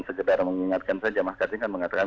segedar mengingatkan saja mas gatling kan mengatakan